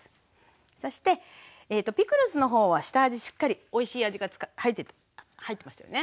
そしてピクルスのほうは下味しっかりおいしい味が入ってましたよね。